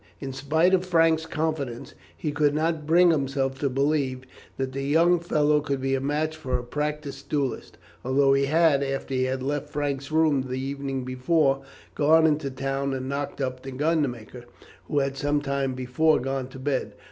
In spite of Frank's confidence he could not bring himself to believe that the young fellow could be a match for a practised duellist, although he had, after he had left Frank's room the evening before, gone into the town and knocked up the gunmaker, who had sometime before gone to bed.